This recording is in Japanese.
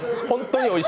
本当に？